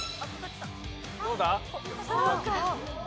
どうだ？